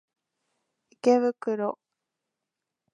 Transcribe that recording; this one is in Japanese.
池袋